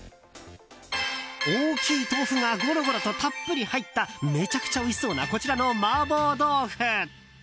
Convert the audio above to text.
大きい豆腐がゴロゴロとたっぷり入っためちゃくちゃおいしそうなこちらの麻婆豆腐。